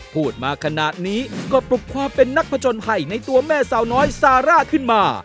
พูดมาขณะนี้ก็ปลุกความเป็นนักผจญภัยในตัวแม่สาวน้อยซาร่าขึ้นมา